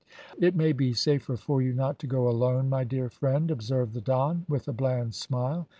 "It may be safer for you not to go alone, my dear friend," observed the Don, with a bland smile.